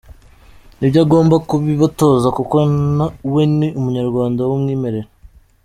Ni byo agomba kubibatoza kuko we ni “Umunyarwanda” w’umwimerere.